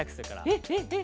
えっえっえっ。